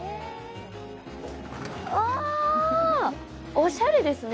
おしゃれですね。